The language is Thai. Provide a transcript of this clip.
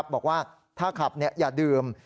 บอกว่าถ้าขับอย่าดื่ม